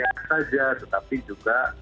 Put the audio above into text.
tidak saja tetapi juga